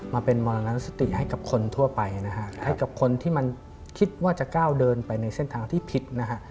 มาเป็นมรณสติให้กับคนทั่วไปนะฮะให้กับคนที่มันคิดว่าจะก้าวเดินไปในเส้นทางที่ผิดนะฮะ